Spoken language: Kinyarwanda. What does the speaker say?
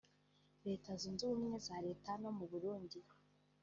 Leta Zunze Ubumwe z’Amerika no mu Burundi